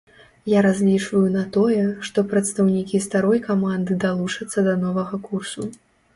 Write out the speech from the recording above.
Я разлічваю на тое, што прадстаўнікі старой каманды далучацца да новага курсу.